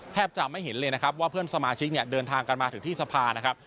แทฟจะไม่เห็นเลยว่าเพื่อนสมาชิกเดินทางกันมาถึงที่สะพานนะครับ